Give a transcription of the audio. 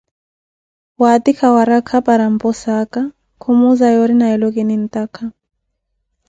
waatikha warakha para mposaaka, kimuuza yoori nalelo kintuveliwa.